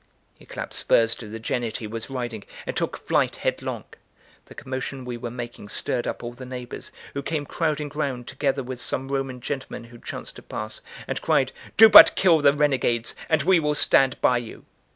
He clapped spurs to the jennet he was riding, and took flight headlong. The commotion we were making stirred up all the neighbours, who came crowding round, together with some Roman gentlemen who chanced to pass, and cried: "Do but kill the renegades, and we will stand by you."